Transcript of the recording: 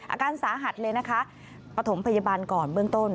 อาการสาหัสเลยนะคะปฐมพยาบาลก่อนเบื้องต้น